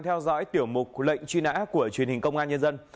tiểu mục lệnh truy nã của truyền hình công an nhân dân